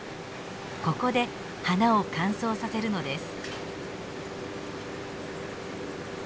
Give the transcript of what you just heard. ここで花を乾燥させるのです。